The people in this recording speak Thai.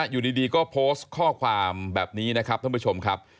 อยู่ดีก็โพสต์ข้อความแบบนี้นะครับท่านผู้ชมครับ